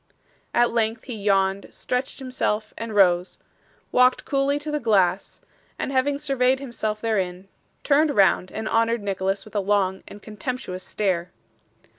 At length he yawned, stretched himself, and rose; walked coolly to the glass, and having surveyed himself therein, turned round and honoured Nicholas with a long and contemptuous stare.